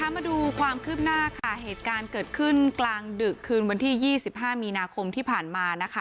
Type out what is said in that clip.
มาดูความคืบหน้าค่ะเหตุการณ์เกิดขึ้นกลางดึกคืนวันที่๒๕มีนาคมที่ผ่านมานะคะ